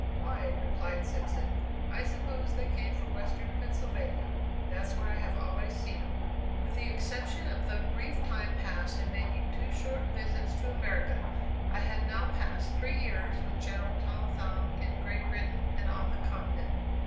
"Why," replied Simpson, "I suppose they came from Western Pennsylvania; that's where I have always seen 'em." With the exception of the brief time passed in making two short visits to America, I had now passed three years with General Tom Thumb in Great Britain and on the Continent.